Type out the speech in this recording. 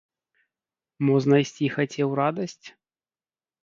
Мо знайсці хацеў радасць?